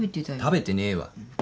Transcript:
食べてねえわ。